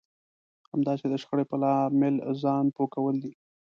همداسې د شخړې په لامل ځان پوه کول دي.